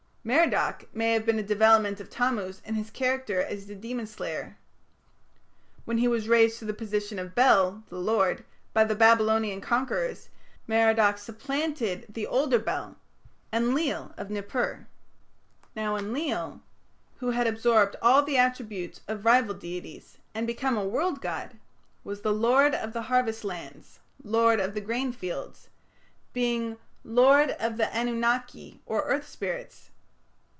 Merodach may have been a development of Tammuz in his character as a demon slayer. When he was raised to the position of Bel, "the Lord" by the Babylonian conquerors, Merodach supplanted the older Bel Enlil of Nippur. Now Enlil, who had absorbed all the attributes of rival deities, and become a world god, was the Lord of the harvest lands ... lord of the grain fields, being "lord of the anunnaki", or "earth spirits".